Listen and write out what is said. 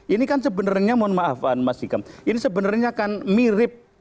ini kan sebenarnya mohon maaf mas hikam ini sebenarnya kan mirip